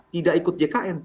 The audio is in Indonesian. tidak ikut jkn